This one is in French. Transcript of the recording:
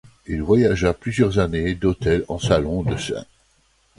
Il voyagea plusieurs années d'hôtels en salons, de St.